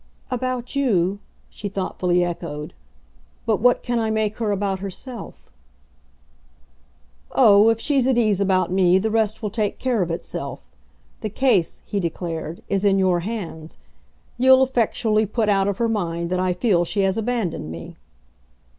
"About you?" she thoughtfully echoed. "But what can I make her about herself?" "Oh, if she's at ease about me the rest will take care of itself. The case," he declared, "is in your hands. You'll effectually put out of her mind that I feel she has abandoned me."